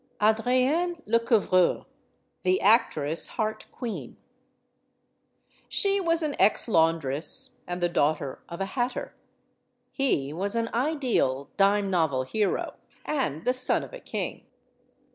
CHAPTER SIX THE "ACTRESS HEART QUEEN" SHE was an exlaundress, and the daughter of a hatter. He was an ideal dime novel hero, and the son of a king.